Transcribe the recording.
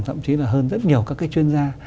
thậm chí là hơn rất nhiều các cái chuyên gia